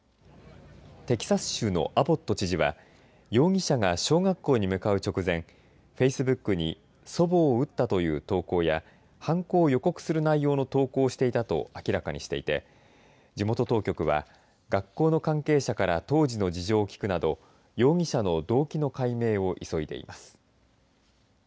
テキサス州のアボット知事は容疑者が小学校に向かう直前フェイスブックに祖母を撃ったという投稿や犯行を予告する内容の投稿をしていたと明らかにしていて地元当局は、学校の関係者から当時の事情を聞くなど容疑者の動機の解明を急いでいます。